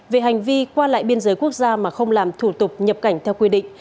về hành vi qua lại biên giới quốc gia mà không làm thủ tục nhập cảnh theo quy định